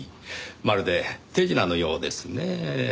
まるで手品のようですねぇ。